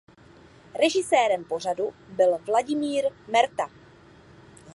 Režisérem pořadu byl Vladimír Merta.